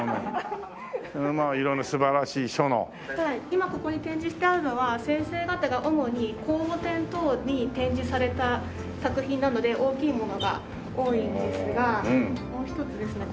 今ここに展示してあるのは先生方が主に公募展等に展示された作品なので大きいものが多いんですがもう一つですね